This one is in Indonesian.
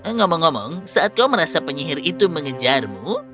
eh ngomong ngomong saat kau merasa penyihir itu mengejarmu